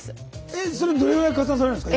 えそれどれぐらい加算されるんですか？